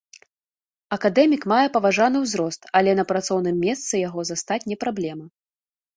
Акадэмік мае паважаны ўзрост, але на працоўным месцы яго застаць не праблема.